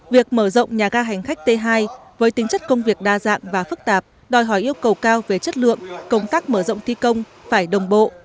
việc mở rộng nhà ga hành khách t hai với tính chất công việc đa dạng và phức tạp đòi hỏi yêu cầu cao về chất lượng công tác mở rộng thi công phải đồng bộ